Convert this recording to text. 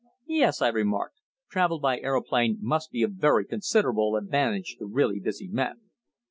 "Yes," I remarked. "Travel by aeroplane must be of very considerable advantage to really busy men."